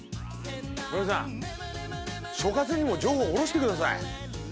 室井さん、所轄にも情報おろしてください。